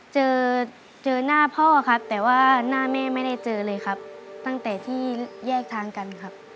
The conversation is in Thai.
เจอเจอหน้าพ่อครับแต่ว่าหน้าแม่ไม่ได้เจอเลยครับตั้งแต่ที่แยกทางกันครับ